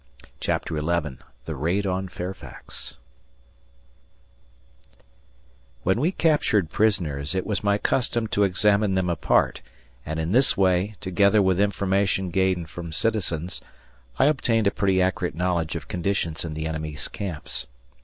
CHAPTER XI THE RAID ON FAIRFAX WHEN we captured prisoners, it was my custom to examine them apart, and in this way, together with information gained from citizens, I obtained a pretty accurate knowledge of conditions in the enemy's camps.